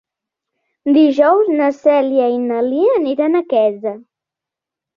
Dijous na Cèlia i na Lia aniran a Quesa.